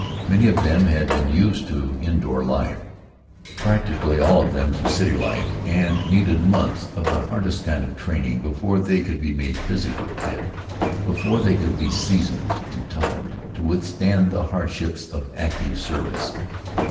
Many of them had been used to indoor life, practically all of them to city life, and needed months of the hardest kind of training before they could be made physically fit, before they could be seasoned and toughened to withstand the hardships of active service.